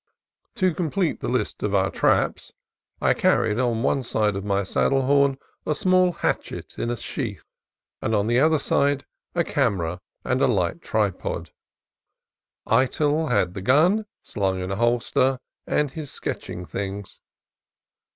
To complete the list of our traps, — I carried on one side of my saddle horn a small hatchet in a sheath, and on the other a camera and light tripod. Eytel had the gun, slung in a holster, and his sketch ing things.